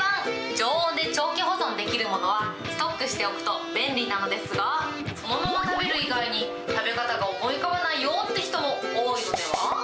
常温で長期保存できるものはストックしておくと便利なのですが、そのまま食べる以外に食べ方が思い浮かばないよという人も多いのでは？